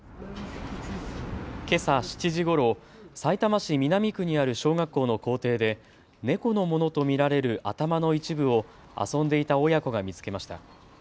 けさ７時ごろ、さいたま市南区にある小学校の校庭で猫のものと見られる頭の一部を遊んでいた親子が見つけました。